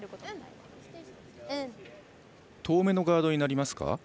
遠めのガードになりますか。